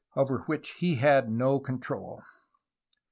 — over which he had no control.